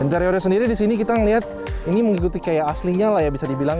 interiornya sendiri di sini kita melihat ini mengikuti kayak aslinya lah ya bisa dibilang